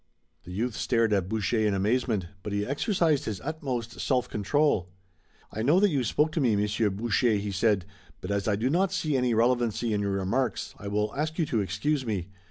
The youth stared at Boucher in amazement, but he exercised his utmost self control. "I know that you spoke to me, Monsieur Boucher," he said, "but as I do not see any relevancy in your remarks I will ask you to excuse me.